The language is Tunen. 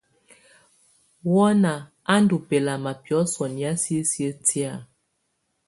Wɔna á ndù bɛlama biɔ̀sɔ̀ nɛ̀á sisiǝ́ tɛ̀á.